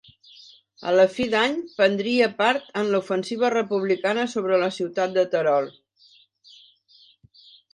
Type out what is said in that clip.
A la fi d'any prendria part en l'ofensiva republicana sobre la ciutat de Terol.